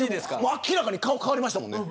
明らかに顔変わりましたからね